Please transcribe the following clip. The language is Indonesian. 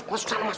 kau tuh apa